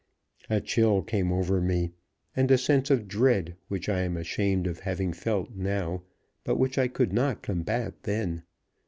A chill came over me, and a sense of dread which I am ashamed of having felt now, but which I could not combat then.